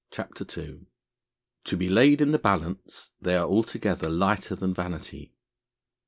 CHAPTER II "To be laid in the balance, they are altogether lighter than vanity."